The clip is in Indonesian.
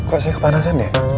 ac kepanasan ya